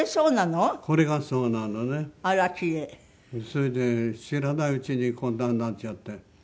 それで知らないうちにこんなになっちゃって。